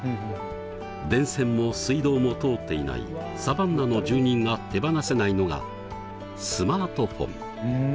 電線も水道も通っていないサバンナの住人が手放せないのがスマートフォン。